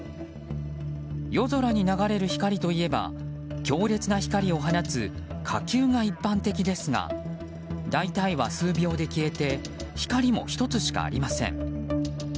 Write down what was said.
夜空に流れる光といえば強烈な光を放つ火球が一般的ですが大体は数秒で消えて光も１つしかありません。